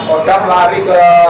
kodam lari ke